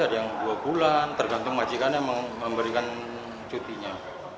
ada yang dua bulan tergantung majikan yang memberikan cutinya